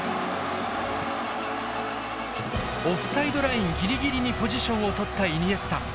オフサイドラインギリギリにポジションを取ったイニエスタ。